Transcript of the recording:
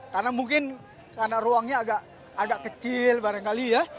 karena mungkin karena ruangnya agak kecil barangkali ya